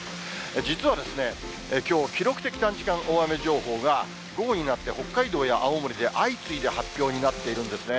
実は、きょう、記録的短時間大雨情報が、午後になって北海道や青森で相次いで発表になっているんですね。